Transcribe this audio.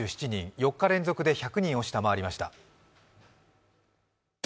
４日連続で１００人を下回りました。